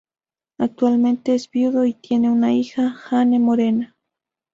Actualmente es viudo y tiene una hija, Anne Morea.